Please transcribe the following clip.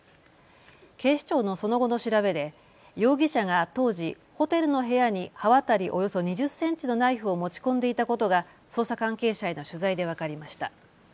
警視庁のその後の調べで容疑者が当時、ホテルの部屋に刃渡りおよそ２０センチのナイフを持ち込んでいたことが捜査関係者への取材で分かりました。